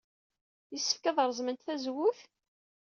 Yessefk ad reẓment tazewwut?